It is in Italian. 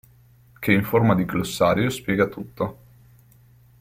Che in forma di glossario spiega tutto.